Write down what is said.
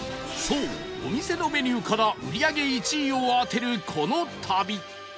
そうお店のメニューから売り上げ１位を当てるこの旅